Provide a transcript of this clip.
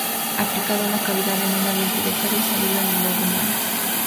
Aplicado a una cavidad en un diente con caries, alivia el dolor de muelas.